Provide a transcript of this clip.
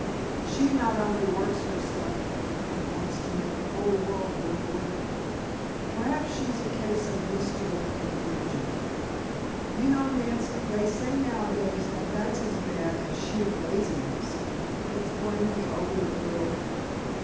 She not only works herself but wants to make the whole world work with her. Perhaps she's a case of misdirected energy. You know, Nancy, they say nowadays that that's as bad as sheer laziness," explained the older girl.